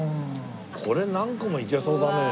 これ何個もいけそうだねえ。